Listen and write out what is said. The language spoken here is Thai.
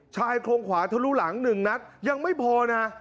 ชายโครงขวาทะลุหลัง๑นัดยังไม่พอนะ